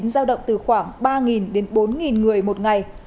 giao động từ khoảng ba đến bốn người một ngày